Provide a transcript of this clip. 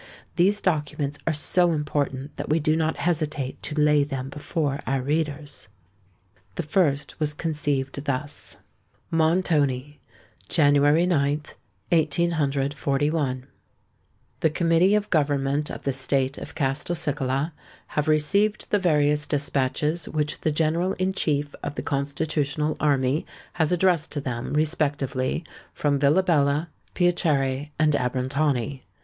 These documents are so important, that we do not hesitate to lay them before our readers. The first was conceived thus:— "Montoni, January 9th, 1841. "The Committee of Government of the State of Castelcicala have received the various despatches which the General in Chief of the Constitutional Army has addressed to them respectively from Villabella, Piacere, and Abrantani.